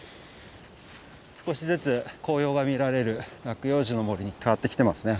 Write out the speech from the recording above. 少しずつ紅葉が見られる落葉樹の森に変わってきてますね。